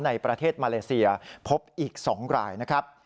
ในประเทศมาเลเซียพบอีก๒รายนะครับ